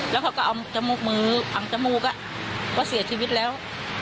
แล้วเขาก็เอาจมูกมือพังจมูกว่าเสียชีวิตแล้ว